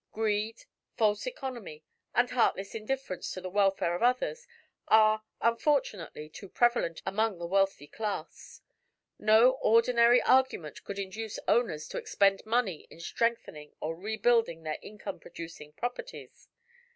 Greed, false economy and heartless indifference to the welfare of others are unfortunately too prevalent among the wealthy class. No ordinary argument could induce owners to expend money in strengthening or rebuilding their income producing properties.